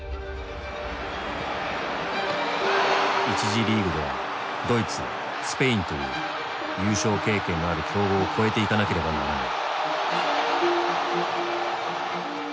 １次リーグではドイツスペインという優勝経験のある強豪を越えていかなければならない。